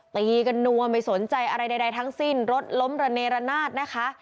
ตีกันนัวไม่สนใจอะไรใดทั้งสิ้นรถล้มระเนรนาศนะคะ